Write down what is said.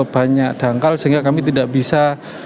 banyak dangkal sehingga kami tidak bisa